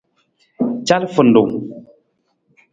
Calafarung.